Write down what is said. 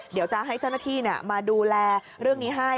เดี๋ยวจะให้เจ้าหน้าที่มาดูแลเรื่องนี้ให้